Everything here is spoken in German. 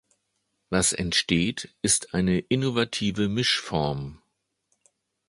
Was entsteht, ist eine innovative Mischform.